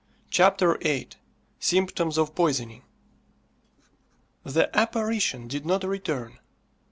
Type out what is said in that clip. CHAPTER VIII. SYMPTOMS OF POISONING. The "apparition" did not return.